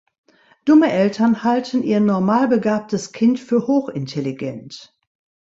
Dumme Eltern halten ihr normalbegabtes Kind für hochintelligent.